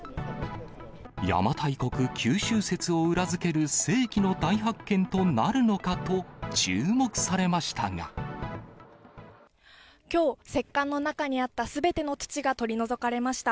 邪馬台国九州説を裏付ける世紀の大発見となるのかと注目されましきょう、石棺の中にあったすべての土が取り除かれました。